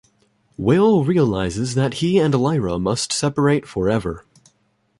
Will realises that he and Lyra must separate forever.